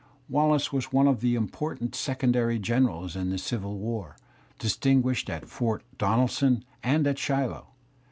Wallace was one of the important secondary generals in the Civil War, distinguished at Fort Donelscm and at Shiloh.